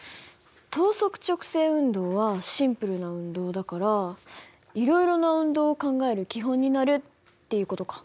等速直線運動はシンプルな運動だからいろいろな運動を考える基本になるっていう事か。